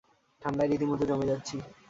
ঠান্ডায় রীতিমত জমে যাচ্ছি!